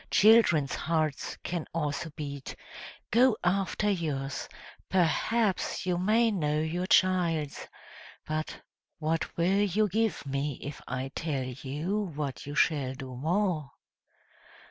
Children's hearts can also beat; go after yours, perhaps you may know your child's; but what will you give me if I tell you what you shall do more?"